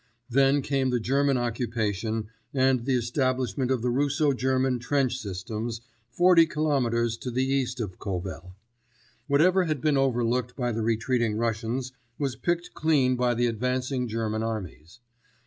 Then came the German occupation and the establishment of the Russo German trench systems forty kilometres to the east of Kovel. Whatever had been overlooked by the retreating Russians was picked clean by the advancing German armies.